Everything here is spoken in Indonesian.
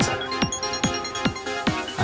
gue gak mau